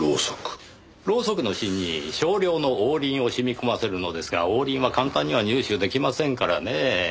ろうそくの芯に少量の黄リンを染み込ませるのですが黄リンは簡単には入手できませんからねぇ。